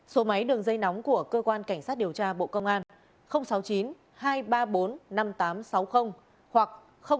số máy đường dây nóng của cơ quan cảnh sát điều tra bộ công an sáu mươi chín hai trăm ba mươi bốn năm nghìn tám trăm sáu mươi hoặc sáu mươi chín hai trăm ba mươi hai